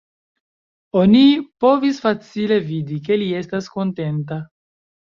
Oni povis facile vidi, ke li estas kontenta.